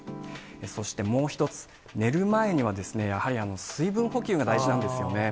そしてもう１つ、寝る前には、やはり水分補給が大事なんですよね。